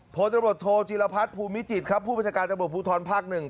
โทษทะบดโทจิลพัฒน์ภูมิจิตครับผู้บัญชาการทะบดภูทรภาคหนึ่ง